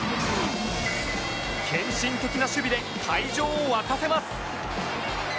献身的な守備で会場を沸かせます